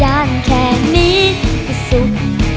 ที่ยังแค่นี้ก็สุด